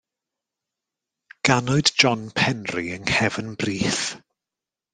Ganwyd John Penri yng Nghefn Brith.